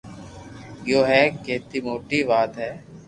گيو ھي ڪيتي موٽي ٽات ھي